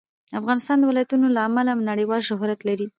افغانستان د ولایتونو له امله نړیوال شهرت لري.